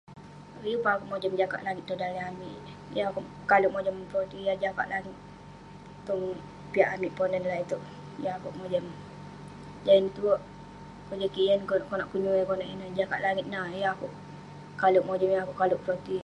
Yeng peh akouk mojam jakak langit tong daleh amik. Yeng akouk kale mojam peroti jakak langit tong piak amik Ponan lak itouk. Yeng akouk mojam. Jah ineh kojam kik jah yah konak- konak kenyuai, konak ineh. Yah jakak langit yeng akouk kale mojam, yeng akouk kale peroti.